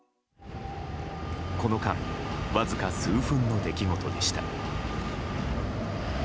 この間わずか数分の出来事でした。